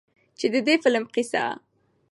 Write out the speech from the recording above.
چې د دې فلم قيصه